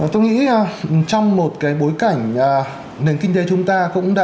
tôi nghĩ trong một cái bối cảnh nền kinh tế chúng ta cũng đã